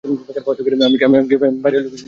আমি কি বাইরের লোক যে শুধু যোগ দেব!